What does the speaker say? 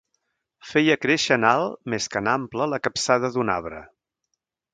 Feia créixer en alt més que en ample la capçada d'un arbre.